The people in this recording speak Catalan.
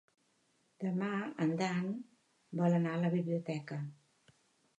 Demà en Dan vol anar a la biblioteca.